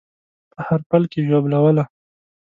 په هر پل کې ژوبلوله